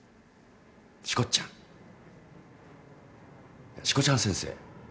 しこっちゃん。いやしこちゃん先生。